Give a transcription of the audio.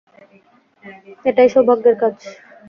এটাই সৌভাগ্যের কাজ।